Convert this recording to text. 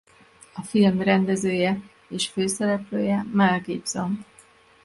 A film rendezője és főszereplője Mel Gibson.